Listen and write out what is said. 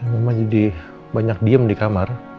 mama jadi banyak diem di kamar